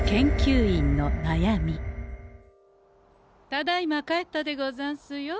ただいま帰ったでござんすよ。